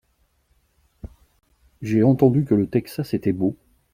J’ai entendu que le Texas était beau.